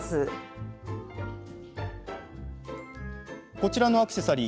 こちらのアクセサリー